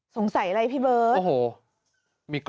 สงสัยอะไรพี่เบิร์ต